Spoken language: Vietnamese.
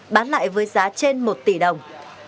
bán lại với giá trên một tỷ đồng